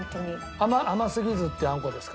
甘すぎずっていうあんこですか？